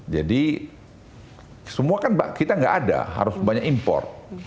jadi semua kan kita nggak ada harus banyak import